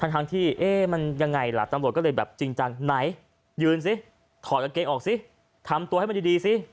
ทั้งที่เอ๊ะมันยังไงล่ะตำรวจก็เลยแบบจริงจังไหนยืนสิถอดกางเกงออกซิทำตัวให้มันดีสิ